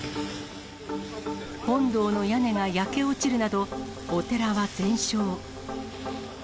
本堂の屋根が焼け落ちるなど、お寺は全焼。